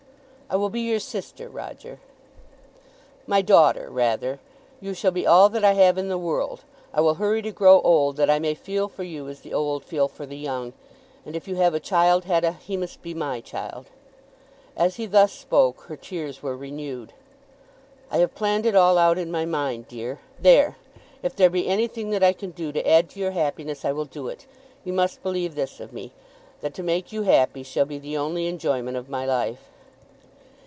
"I will be your sister, Roger." "My daughter rather. You shall be all that I have in the world. I will hurry to grow old that I may feel for you as the old feel for the young. And if you have a child, Hetta, he must be my child." As he thus spoke her tears were renewed. "I have planned it all out in my mind, dear. There! If there be anything that I can do to add to your happiness, I will do it. You must believe this of me, that to make you happy shall be the only enjoyment of my life."